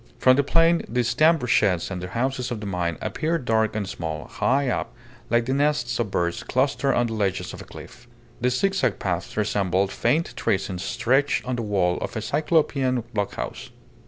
From the plain the stamp sheds and the houses of the mine appeared dark and small, high up, like the nests of birds clustered on the ledges of a cliff. The zigzag paths resembled faint tracings scratched on the wall of a cyclopean blockhouse.